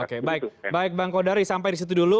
oke baik baik bang kodari sampai di situ dulu